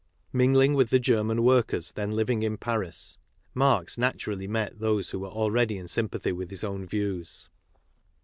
Mingling with the German workers then living in Paris, Marx naturally met those who were already in sympathy with his own views.